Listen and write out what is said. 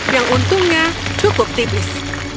yang untungnya cukup tibis